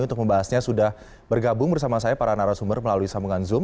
untuk membahasnya sudah bergabung bersama saya para narasumber melalui sambungan zoom